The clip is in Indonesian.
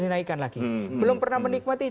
dinaikkan lagi belum pernah menikmati